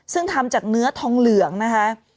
ซึ่งทำจากเนื้อทองเหลืองนะคะ